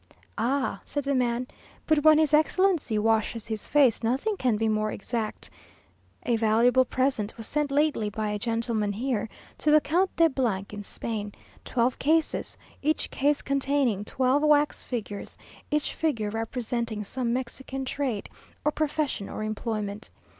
"Ah!" said the man, "but when his excellency washes his face, nothing can be more exact." A valuable present was sent lately by a gentleman here, to the Count de in Spain; twelve cases, each case containing twelve wax figures; each figure representing some Mexican trade, or profession or employment.